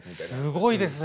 すごいですね！